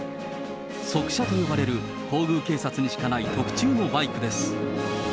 側車と呼ばれる、皇宮警察にしかない特注のバイクです。